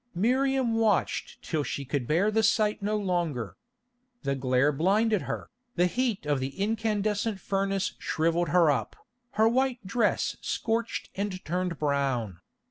Miriam watched till she could bear the sight no longer. The glare blinded her, the heat of the incandescent furnace shrivelled her up, her white dress scorched and turned brown.